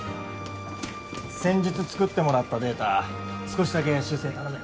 先日作ってもらったデータ少しだけ修正頼める？